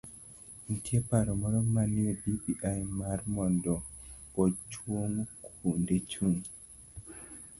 Nitie paro moro manie bbi mar mondo ochuog kuonde chung'